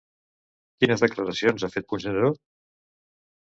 Quines declaracions ha fet Puigneró?